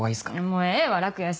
もうええわ楽やし。